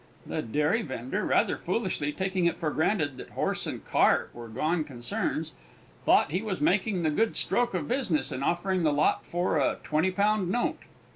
The dairy vendor, rather foolishly taking it for granted that horse and cart were gone concerns, thought he was making the good stroke of business in offering the lot for a twenty pound note.